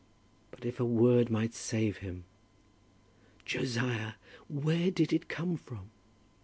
But if a word might save him! "Josiah, where did it come from?"